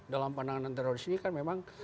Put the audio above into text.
dalam penanganan teroris ini kan memang